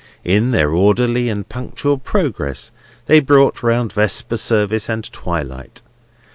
In their orderly and punctual progress they brought round Vesper Service and twilight.